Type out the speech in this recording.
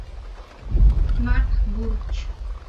Marc Burch